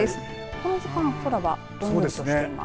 この時間、空はどんよりとしています。